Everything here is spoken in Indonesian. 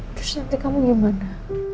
terus nanti kamu gimana